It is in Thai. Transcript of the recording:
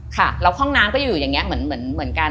ค่ะแล้วห้องน้ำก็จะอยู่อย่างนี้เหมือนกัน